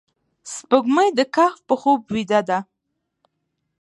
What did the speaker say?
سپوږمۍ د کهف په خوب بیده ده